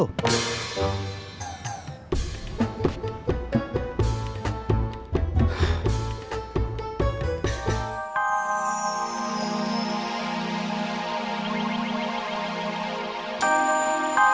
kau kagak ngerti